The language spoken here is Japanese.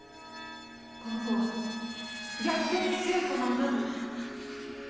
この子は逆境に強い子なんだって。